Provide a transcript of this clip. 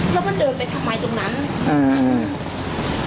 แล้วมันเดินไปทางไหนตรงนั้น